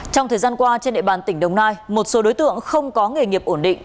trong thời gian qua trên địa bàn tỉnh đồng nai một số đối tượng không có nghề nghiệp ổn định